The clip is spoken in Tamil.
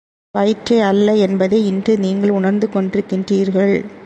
வயிற்றை அல்ல என்பதை இன்று நீங்கள் உணர்ந்து கொண்டிருக்கின்றீர்கள்.